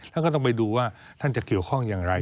ท่านก็ต้องไปดูว่าท่านจะเกี่ยวข้องอย่างไร